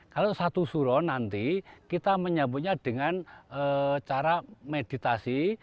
kalau satu suro nanti kita menyambutnya dengan cara meditasi